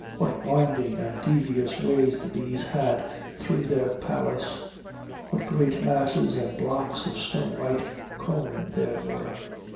What winding and devious ways the bees had through their palace! What great masses and blocks of snow white comb there were!